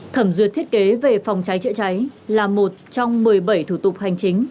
thẩm duyệt thiết kế về phòng cháy chữa cháy là một trong một mươi bảy thủ tục hành chính